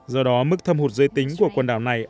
do đó mức thâm hụt giới tính của quần đảo này